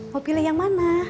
mau pilih yang mana